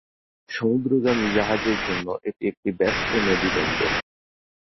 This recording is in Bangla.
সমুদ্রগামী জাহাজের জন্য এটি একটি ব্যস্ত নদীবন্দর।